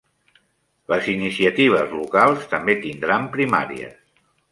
Les iniciatives locals també tindran primàries